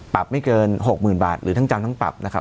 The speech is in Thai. ปรับไม่เกิน๖๐๐๐บาทหรือทั้งจำทั้งปรับนะครับ